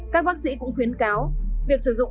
các bác sĩ cũng khuyến cáo việc sử dụng